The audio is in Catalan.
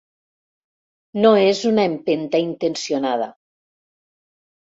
No és una empenta intencionada.